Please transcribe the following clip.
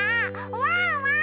ワンワーン！